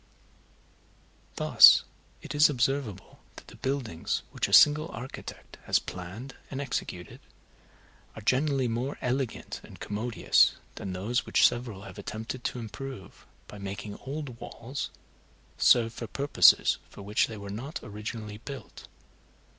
Thus it is observable that the buildings which a single architect has planned and executed, are generally more elegant and commodious than those which several have attempted to improve, by making old walls serve for purposes for which they were not originally built.